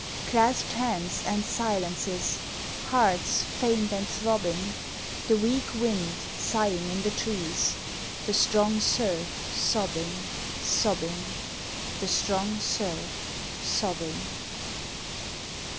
Clasped hands and silences! Hearts faint and throbbing! The weak wind sighing in the trees! The strong surf sobbing, sobbing, The strong surf sobbing!